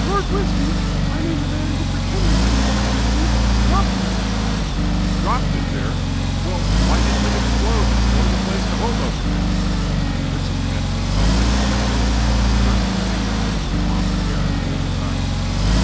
"Lord Wisbeach I mean the man who pretended to be Lord Wisbeach dropped it there." "Dropped it there? Well, why didn't it explode and blow the place to Hoboken, then?" Mrs. Pett looked helplessly at Willie, who thrust his fingers into his mop of hair and rolled his eyes.